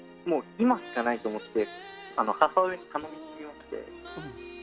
今しかないと思って母親と話しまして。